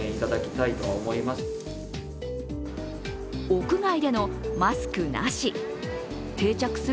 屋外でのマスクなし。